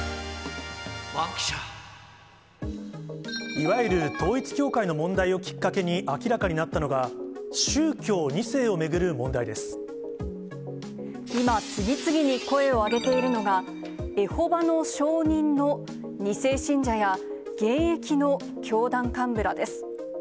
いわゆる統一教会の問題をきっかけに明らかになったのが、今、次々に声を上げているのが、エホバの証人の２世信者や現役の教団幹部らです。